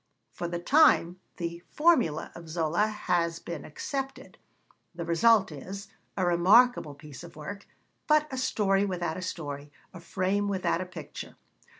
For the time the 'formula' of Zola has been accepted: the result is, a remarkable piece of work, but a story without a story, a frame without a picture.